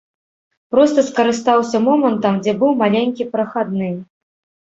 Проста скарыстаўся момантам, дзе быў маленькі прахадны.